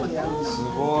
すごい。